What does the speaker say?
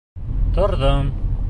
Торҙом.